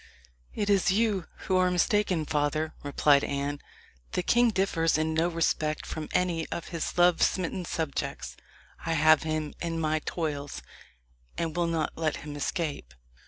"It is you who are mistaken, father," replied Anne. "The king differs in no respect from any of his love smitten subjects. I have him in my toils, and will not let him escape."